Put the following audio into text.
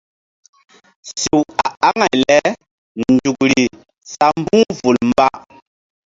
Sew a aŋay lenzukri sa mbu̧h vul mba.